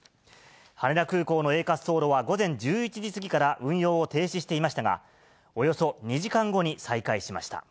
羽田空港のＡ滑走路は午前１１時過ぎから運用を停止していましたが、およそ２時間後に再開しました。